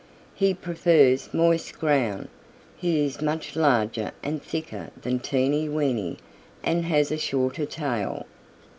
He prefers moist ground. He is much larger and thicker than Teeny Weeny and has a shorter tail.